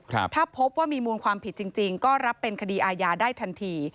ถ้าพบว่ามีมูลความผิดจริงจริงก็รับเป็นคดีอาญาได้ทันที